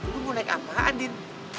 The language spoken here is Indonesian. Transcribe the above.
lu mau naik apaan din